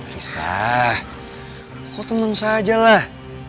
kisah kau tenang saja lah